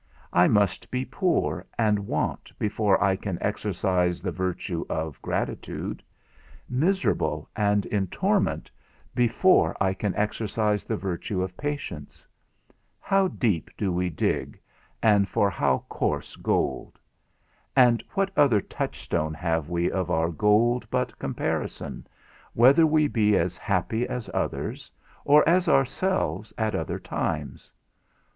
I must be poor and want before I can exercise the virtue of gratitude; miserable, and in torment, before I can exercise the virtue of patience. How deep do we dig, and for how coarse gold! And what other touchstone have we of our gold but comparison, whether we be as happy as others, or as ourselves at other times?